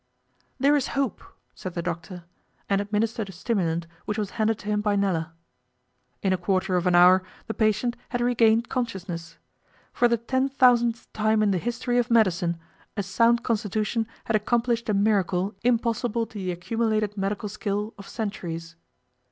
'There is hope,' said the doctor, and administered a stimulant which was handed to him by Nella. In a quarter of an hour the patient had regained consciousness. For the ten thousandth time in the history of medicine a sound constitution had accomplished a miracle impossible to the accumulated medical skill of centuries.